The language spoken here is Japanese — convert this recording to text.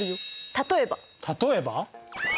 例えば？